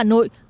cũng giải quyết